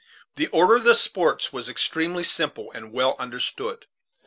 The order of the sports was extremely simple, and well understood.